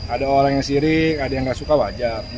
ada orang yang sirik ada yang nggak suka wajar